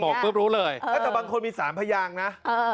ปุ๊บรู้เลยแต่บางคนมี๓พยางนะ